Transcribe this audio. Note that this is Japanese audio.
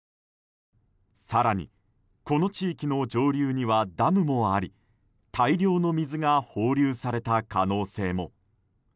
更にこの地域の上流にはダムもあり大量の水が放流された可能性も。